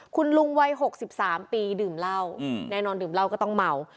คุณลุงวัย๖๓ปีดื่มเหล้าแน่นอนดื่มเหล้าก็ต้องเมา